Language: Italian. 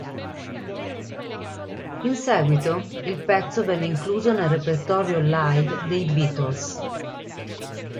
In seguito il pezzo venne incluso nel repertorio "live" dei Beatles.